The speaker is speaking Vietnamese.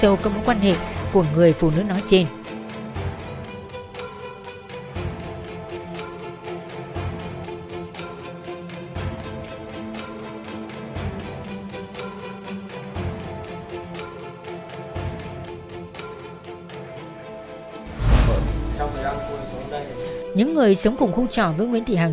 là nguyễn thị hằng